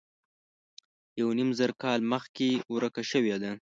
یو نیم زر کاله مخکې ورکه شوې ده.